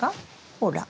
ほら。